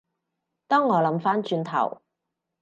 當我諗返轉頭